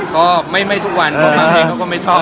ก็ไม่ทุกวันเพราะบางทีเขาก็ไม่ชอบ